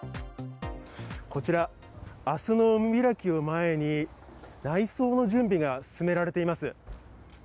こちら、明日の海開きを前に内装の準備が進められています。